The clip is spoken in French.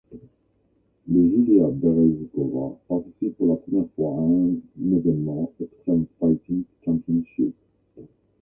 Le Julia Berezikova participe pour la première fois à un évènement Xtreme Fighting Championships.